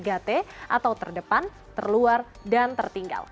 atau terdepan terluar dan tertinggal